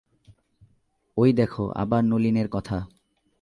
ঐ দেখো, আবার নলিনের কথা!